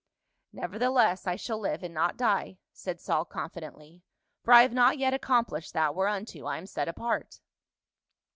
" Nevertheless, I shall live and not die," said Saul confidently ;" for I have not yet accomplished that whereunto I am set apart."